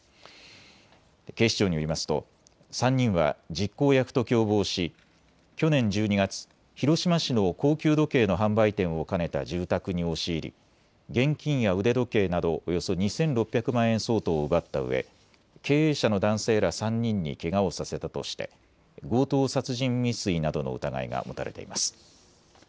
警視庁によりますと３人は実行役と共謀し去年１２月、広島市の高級時計の販売店を兼ねた住宅に押し入り現金や腕時計などおよそ２６００万円相当を奪ったうえ経営者の男性ら３人にけがをさせたとして強盗殺人未遂などの疑いが持たれています。